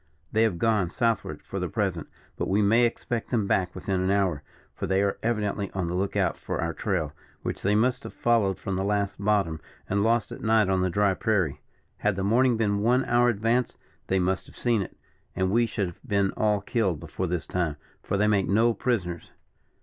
They have gone Southward for the present; but we may expect them back within an hour, for they are evidently on the look out for our trail, which they must have followed from the last bottom, and lost at night on the dry prairie; had the morning been one hour advanced, they must have seen it, and we should have been all killed before this time; for they make no prisoners."